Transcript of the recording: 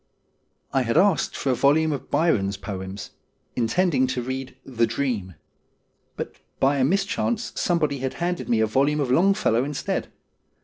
I had asked for a volume of Byron's poems, intending to read ' The Dream,' but by a mischance somebody had handed me a volume of Longfellow instead.